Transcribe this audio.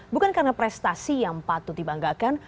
bukan karena prestasi yang patut dibanggakan